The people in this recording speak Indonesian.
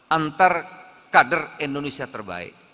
antar kader indonesia terbaik